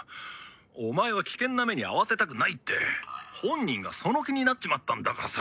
お前を危険な目に遭わせたくないって本人がその気になっちまったんだからさ。